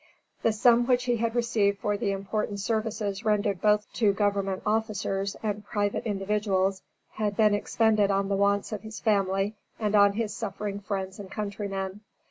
The sums which he had received for the important services rendered both to government officers and private individuals, had been expended on the wants of his family and on his suffering friends and countrymen.